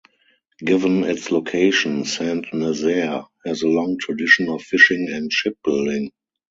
Given its location, Saint-Nazaire has a long tradition of fishing and shipbuilding.